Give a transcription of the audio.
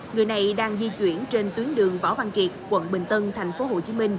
người này đang di chuyển trên tuyến đường võ văn kiệt quận bình tân tp hcm